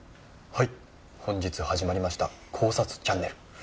はい本日始まりました考察チャンネル